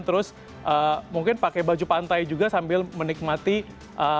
terus mungkin pakai baju pantai juga sambil menikmati keindahan bawah laut ini secara virtual